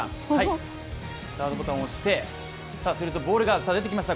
スタートボタンを押して、するとボールが出てきました